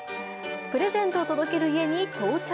プレゼントを届ける家に到着。